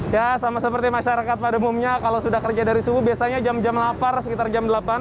ya sama seperti masyarakat pada umumnya kalau sudah kerja dari subuh biasanya jam jam lapar sekitar jam delapan